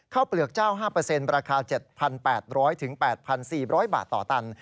เปลือกเจ้า๕ราคา๗๘๐๐๘๔๐๐บาทต่อตัน